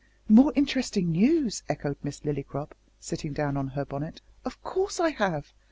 "More interesting news!" echoed Miss Lillycrop, sitting down on her bonnet, "of course I have.